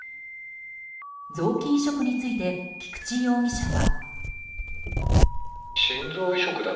臓器移植について菊池容疑者は。